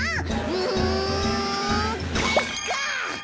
うんかいか！